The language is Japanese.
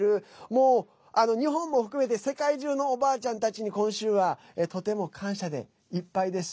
もう、日本も含めて世界中のおばあちゃんたちに今週はとても感謝でいっぱいです。